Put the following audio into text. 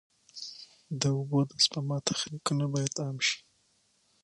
د اوبو د سپما تخنیکونه باید عام شي.